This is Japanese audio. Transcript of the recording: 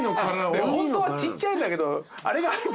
ホントはちっちゃいんだけどあれが入って。